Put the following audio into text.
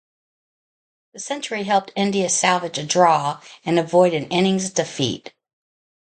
The century helped India salvage a draw and avoid an innings defeat.